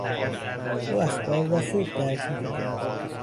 او اخبار را خوب درک میکند.